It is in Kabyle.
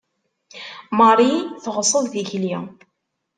Marie teɣṣeb tikli.